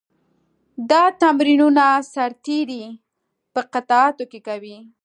دا تمرینونه سرتېري په قطعاتو کې کوي.